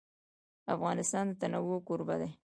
افغانستان د تنوع کوربه دی.